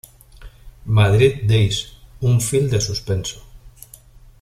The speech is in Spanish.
Madrid Days", un film de suspenso.